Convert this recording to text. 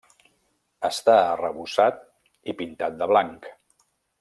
Està arrebossat i pintat de blanc.